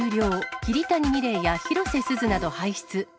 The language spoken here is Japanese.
桐谷美玲や広瀬すずなど輩出。